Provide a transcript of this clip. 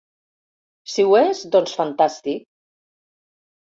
Si ho és, doncs fantàstic.